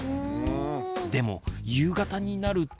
でも夕方になると。